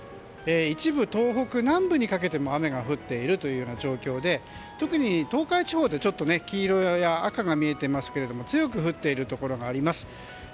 一部、東北南部にかけても雨が降っている状態で特に東海地方で黄色や赤が見えていますが強く降っているところがあります。